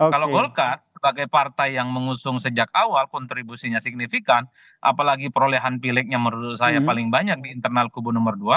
kalau golkar sebagai partai yang mengusung sejak awal kontribusinya signifikan apalagi perolehan pilihnya menurut saya paling banyak di internal kubu nomor dua